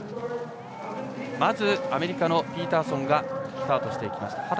まずアメリカのピーターソンがスタートしていきました。